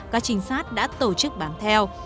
các trinh sát đã tổ chức bám theo